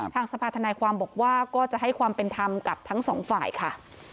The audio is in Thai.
ทางสภาธนายความบอกว่าก็จะให้ความเป็นธรรมกับทั้งสองฝ่ายค่ะ